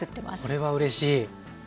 これはうれしい。